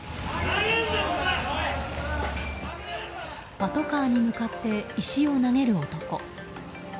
パトカーに向かって石を投げる男。